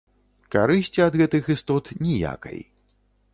Карысці ад гэтых істот ніякай.